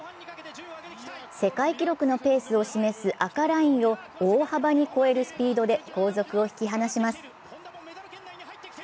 世界記録のペースを示す赤ラインを大幅に超えるスピードで後続を引き離します。